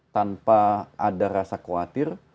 tanpa ada rasa khawatir